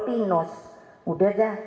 pinos udah dah